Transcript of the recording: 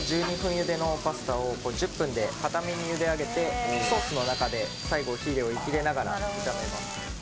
茹でのパスタを１０分で硬めに茹で上げてソースの中で最後火を入れながら炒めます